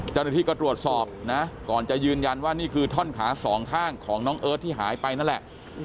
เจ้าหน้าที่ก็ตรวจสอบนะก่อนจะยืนยันว่านี่คือท่อนขาสองข้างของน้องเอิร์ทที่หายไปนั่นแหละ